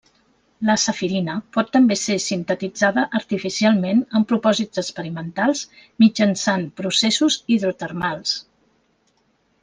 La Safirina pot també ser sintetitzada artificialment amb propòsits experimentals mitjançant processos hidrotermals.